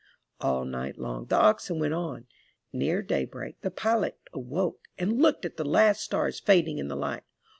All night long the oxen went on. Near daybreak, the pilot awoke and looked at the last stars fading in the light.